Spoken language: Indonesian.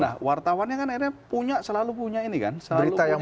nah wartawannya kan akhirnya punya selalu punya ini kan selalu punya